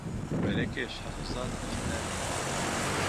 Бәләкәй шаһзат иҫнәне.